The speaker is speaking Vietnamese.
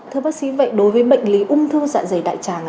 thưa bác sĩ vậy đối với bệnh lý ung thư dạ dày đại tràng